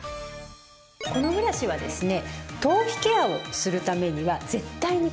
このブラシはですね